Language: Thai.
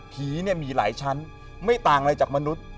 ผีเนี่ยมีหลายชั้นไม่ต่างอะไรจากมนุษย์